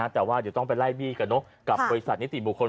แต่ว่าเดี๋ยวต้องไปไล่บี้กันกับบริษัทนิติบุคคล